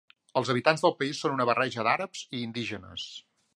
Els habitants del país són una barreja d'àrabs i indígenes.